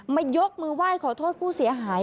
ยกมือไหว้ขอโทษผู้เสียหาย